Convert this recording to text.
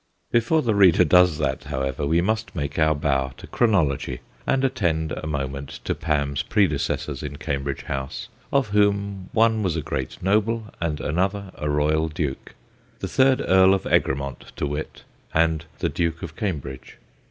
Before the reader does that, however, we must make our bow to chronology and attend a moment to Pam's predecessors in Cambridge House, of whom one was a great noble and another a royal duke the third Earl of Egremont, to wit, and the Duke of Cambridge.